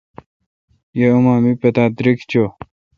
یہ اما می پتا دریگ چو۔